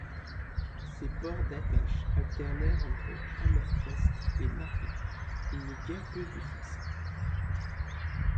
Ses ports d'attaches alternèrent entre Hammerfest et Narvik, il n'eut guère plus de succès.